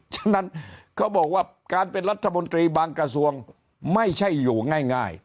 ฉะนั้นเขาบอกว่าการเป็นรัฐมนตรีบางกระทรวงไม่ใช่อยู่ง่าย